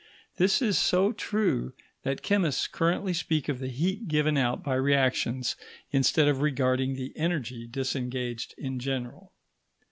This is so true, that chemists currently speak of the heat given out by reactions instead of regarding the energy disengaged in general.